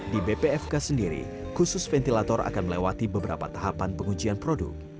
di bpfk sendiri khusus ventilator akan melewati beberapa tahapan pengujian produk